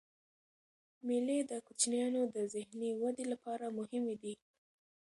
مېلې د کوچنيانو د ذهني ودي له پاره مهمي دي.